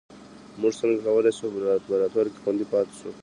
موږ څنګه کولای شو په لابراتوار کې خوندي پاتې شو